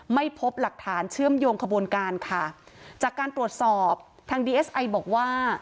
ไม่พบหลักฐานเชื่อมโยงขบวนการค่ะจากการตรวจสอบทางดีเอสไอบอกว่า